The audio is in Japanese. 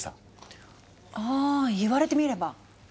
ああ言われてみれば。